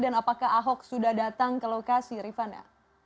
dan apakah ahok sudah datang ke lokasi rifanda